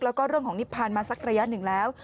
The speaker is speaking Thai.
แล้วก็เรื่องของนิพันธ์มาสักระยะหนึ่งแล้ว